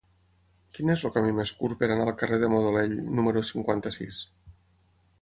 Quin és el camí més curt per anar al carrer de Modolell número cinquanta-sis?